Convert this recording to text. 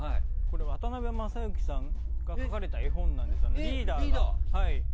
渡辺正行さんが描かれた絵本なんですけど。